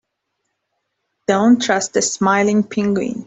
Don't trust the smiling penguin.